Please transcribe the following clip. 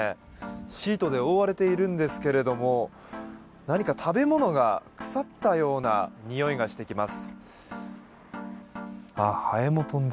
シートで覆われているんですけれども何か食べ物が腐ったような臭いがしてきます。